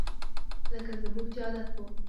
لکه زموږ چې عادت وو